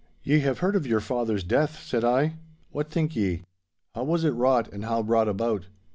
'Ye have heard of your father's death?' said I. 'What think ye? How was it wrought and how brought about?